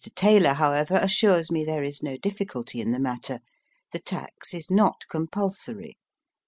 Taylor, however, assures me there is no difficulty in the matter. The tax is not compulsory.